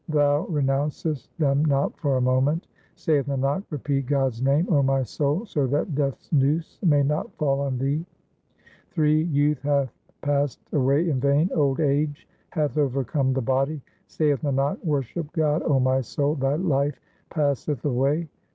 thou re nouncest them not for a moment. Saith Nanak, repeat God's name, 0 my soul, so that Death's noose may not fall on thee. Ill Youth hath passed away in vain, old age hath overcome the body ; Saith Nanak, worship God, O my soul, thy life passeth away.